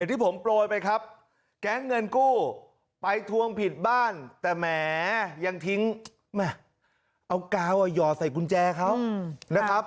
ที่ผมโปรยไปครับแก๊งเงินกู้ไปทวงผิดบ้านแต่แหมยังทิ้งแม่เอากาวหย่อใส่กุญแจเขานะครับ